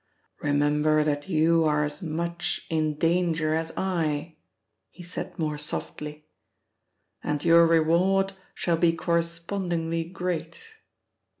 Remember that you are as much in danger as I," he said more softly, "and your reward shall be correspondingly great.